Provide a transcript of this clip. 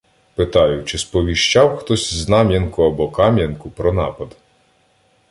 Питаю, чи сповіщав хтось Знам'янку або Кам'янку про напад.